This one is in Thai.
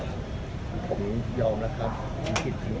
ยืนยันว่าเบื้องป้องไม่ได้มีการแจ้งดำเนินคดีกับผู้กรรณีใช่ไหมคะ